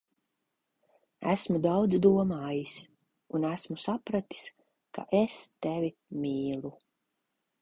Esmu daudz domājis, un esmu sapratis, ka es tevi mīlu.